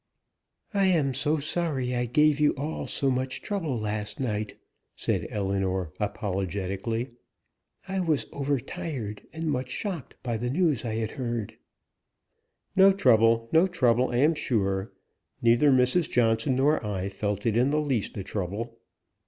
"I am so sorry I gave you all so much trouble last night," said Ellinor, apologetically. "I was overtired, and much shocked by the news I heard." "No trouble, no trouble, I am sure. Neither Mrs. Johnson nor I felt it in the least a trouble.